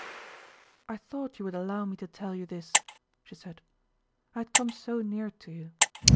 "I thought you would allow me to tell you this," she said. "I had come so near to you...